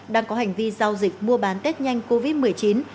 đang có hành vi giao dịch mua bán tết nhanh covid một mươi chín